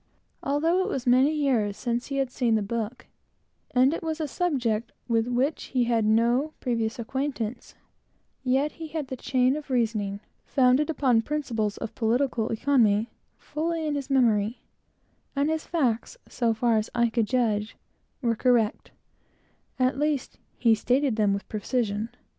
Although it was many years since he had seen the book, and it was a subject with which he had no previous acquaintance, yet he had the chain of reasoning, founded upon principles of political economy, perfect in his memory; and his facts, so far as I could judge, were correct; at least, he stated them with great precision.